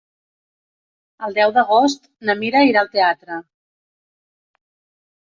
El deu d'agost na Mira irà al teatre.